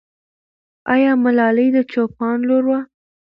آیا ملالۍ د چوپان لور وه؟